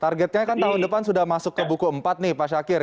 targetnya kan tahun depan sudah masuk ke buku empat nih pak syakir